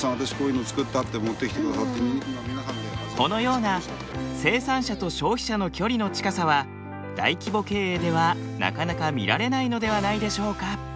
このような生産者と消費者の距離の近さは大規模経営ではなかなか見られないのではないでしょうか。